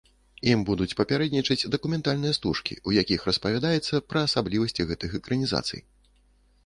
Ім будуць папярэднічаць дакументальныя стужкі, у якіх распавядаецца пра асаблівасці гэтых экранізацый.